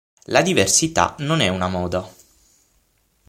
La diversità non è una moda.